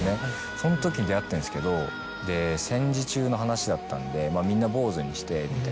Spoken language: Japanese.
そのときに出会ってんですけど戦時中の話だったのでみんな坊主にして。